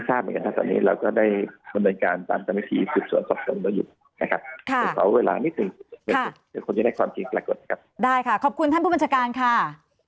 ตลอดทั้งวันนี้นะคะได้คุยกับคนที่ชื่อพิษตินันแล้วหรือยังคะ